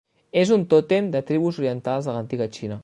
És un tòtem de tribus orientals de l'antiga Xina.